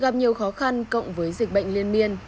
gặp nhiều khó khăn cộng với dịch bệnh liên miên